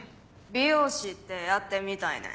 美容師ってやってみたいねん。